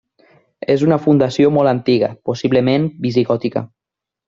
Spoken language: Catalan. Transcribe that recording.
És una fundació molt antiga, possiblement visigòtica.